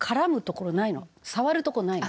触るとこないの。